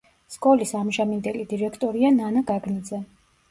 სკოლის ამჟამინდელი დირექტორია ნანა გაგნიძე.